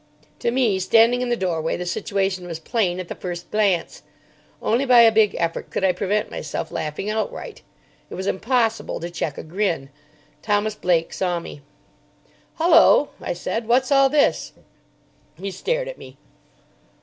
To me, standing in the doorway, the situation was plain at the first glance. Only by a big effort could I prevent myself laughing outright. It was impossible to check a grin. Thomas Blake saw me. "Hullo!" I said; "what's all this?" He stared at me.